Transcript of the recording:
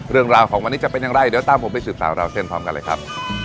เรื่องราวของวันนี้จะเป็นอย่างไรเดี๋ยวตามผมไปสืบสาวราวเส้นพร้อมกันเลยครับ